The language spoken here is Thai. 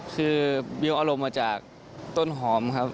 คือวิวอารมณ์มาจากต้นหอมครับ